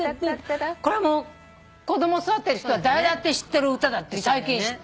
これも子供育ててる人は誰だって知ってる歌だって最近知って。